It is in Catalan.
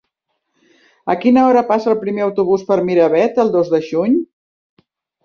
A quina hora passa el primer autobús per Miravet el dos de juny?